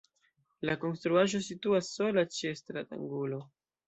La konstruaĵo situas sola ĉe stratangulo.